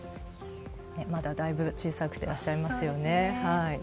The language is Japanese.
まだ、だいぶ小さくていらっしゃいますよね。